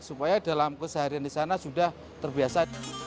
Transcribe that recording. supaya dalam keseharian di sana sudah terbiasa